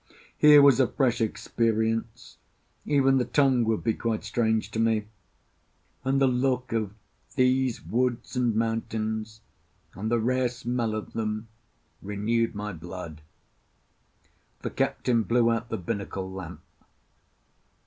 Here was a fresh experience: even the tongue would be quite strange to me; and the look of these woods and mountains, and the rare smell of them, renewed my blood. The captain blew out the binnacle lamp.